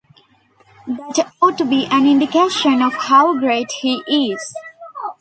That ought to be an indication of how great he is.